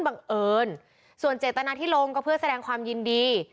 บังเอิญส่วนเจตนาที่ลงก็เพื่อแสดงความยินดี